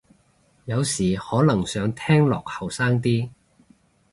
有時可能想聽落後生啲